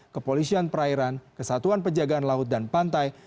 kepolisian perairan kesatuan penjagaan laut dan pantai